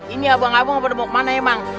ini abang abang pada mau kemana ya emang